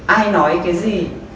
ai nói cái gì